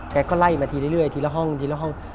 ก็ไล่มาทีเรื่อยทีละห้องทีละห้อง